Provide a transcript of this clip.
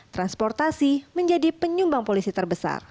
transportasi menjadi penyumbang polisi terbesar